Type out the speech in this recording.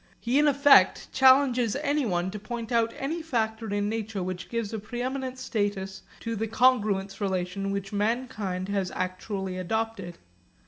He in effect challenges anyone to point out any factor in nature which gives a preeminent status to the congruence relation which mankind has actually adopted.